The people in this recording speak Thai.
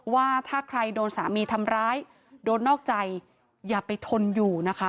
ว่าถ้าใครโดนสามีทำร้ายโดนนอกใจอย่าไปทนอยู่นะคะ